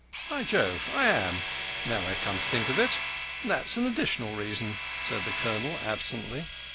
"By Jove, I am, now I come to think of it. That's an additional reason," said the Colonel absently.